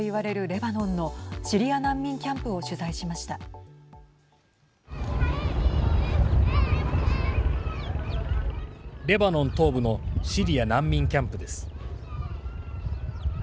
レバノン東部のシリア難民キャンプです。